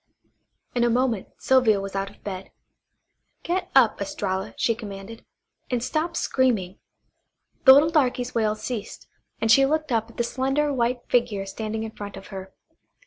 In a moment Sylvia was out of bed. "Get up, Estralla," she commanded, "and stop screaming." The little darky's wails ceased, and she looked up at the slender white figure standing in front of her.